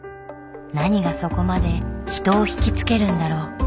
何がそこまで人を惹きつけるんだろう。